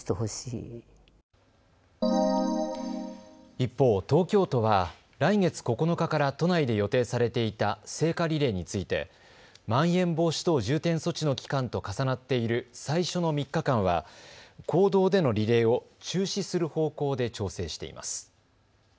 一方、東京都は来月９日から都内で予定されていた聖火リレーについてまん延防止等重点措置の期間と重なっている最初の３日間は公道でのリレーを中止する方向で調整しています。